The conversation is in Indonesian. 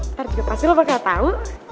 ntar juga pasti lo bakal tau